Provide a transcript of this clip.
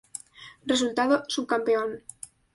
Resultado Subcampeón.